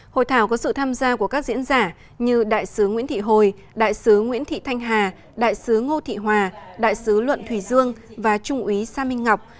hội thảo có sự tham gia của các diễn giả như đại sứ nguyễn thị hồi đại sứ nguyễn thị thanh hà đại sứ ngô thị hòa đại sứ luận thùy dương và trung úy sa minh ngọc